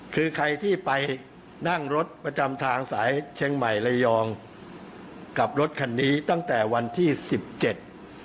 คือใครที่ไปนั่งรถประจำทางสายเชียงใหม่ระยองกับรถคันนี้ตั้งแต่วันที่สิบเจ็ด